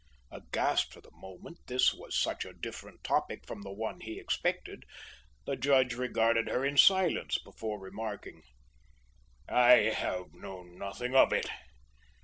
Aghast for the moment, this was such a different topic from the one he expected, the judge regarded her in silence before remarking: "I have known nothing of it.